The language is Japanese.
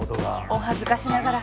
お恥ずかしながら。